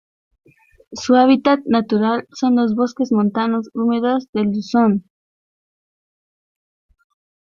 Su hábitat natural son los bosques montanos húmedos de Luzón.